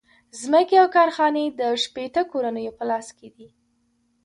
ځمکې او کارخانې د شپیته کورنیو په لاس کې دي